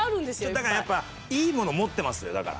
だからやっぱいいものを持ってますよだから。